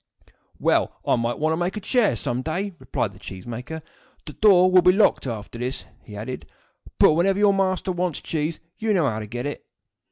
"Well, I may want to make a chair some day," replied the cheese maker. "The door will be locked after this," he added; "but whenever your master wants cheese, you know how to get it."